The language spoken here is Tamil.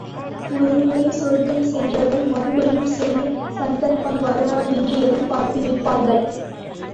ஒருமுறை சொர்க்கம் சென்றவர்கள், மறுபடியும் செல்லும் சந்தர்ப்பம் வருமா என்றே எதிர்பார்த்து நிற்பார்கள்.